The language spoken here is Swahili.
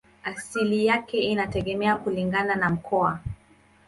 Asili yake inategemea kulingana na mkoa.